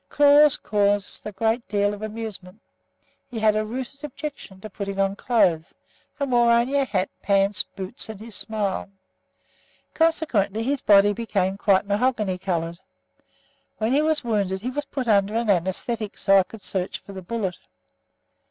Claude caused a good deal of amusement. He had a rooted objection to putting on clothes and wore only a hat, pants, boots and his smile. Consequently his body became quite mahogany coloured. When he was wounded he was put under an anæsthetic so that I could search for the bullet.